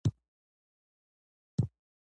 همدارنګه بېوزلي یا فقر د یو څه محصول دی.